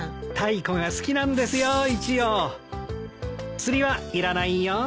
釣りはいらないよ。